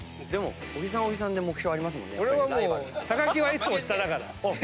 小木さんは小木さんで目標ありますもんね？